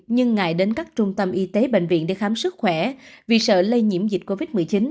nhưng ngại đến các trung tâm y tế bệnh viện để khám sức khỏe vì sợ lây nhiễm dịch covid một mươi chín